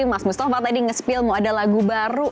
mas mustafa tadi nge spill mau ada lagu baru